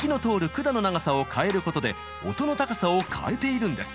管の長さを変えることで音の高さを変えているんです。